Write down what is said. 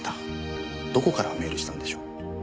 どこからメールしたんでしょう？